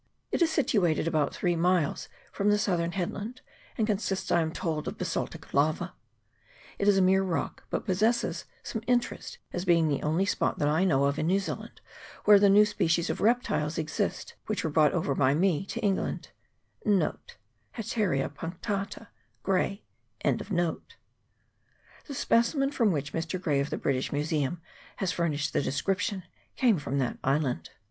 It is situated about three miles from the southern headland, and con sists, I am told, of basaltic lava. It is a mere rock, but possesses some interest as being the only spot, that I know of, in New Zealand where the new species of reptiles l exist which were brought over by me to England. The specimen from which Mr. Gray of the British Museum has furnished the description came from that island.